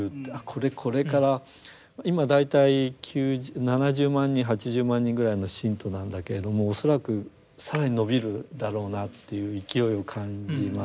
これこれから今大体７０万人８０万人ぐらいの信徒なんだけれども恐らく更に伸びるだろうなという勢いを感じましたね。